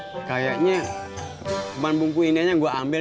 cok saya buat apaan siapetau babies